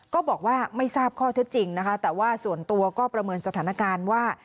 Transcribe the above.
ก็บอกว่าไม่ทราบข้อเท็จจริงนะคะแต่ว่าส่วนตัวก็ประเมินสถานการณ์ว่า